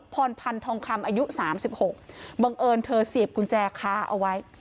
พรพันธ์ทองคำอายุ๓๖บังเอิญเธอเสียบกุญแจค้าเอาไว้